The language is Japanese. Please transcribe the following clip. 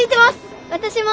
私も。